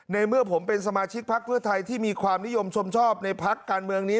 เมื่อผมเป็นสมาชิกพักเพื่อไทยที่มีความนิยมชมชอบในพักการเมืองนี้